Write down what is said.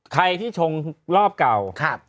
ใครที่ชงรอบเก่า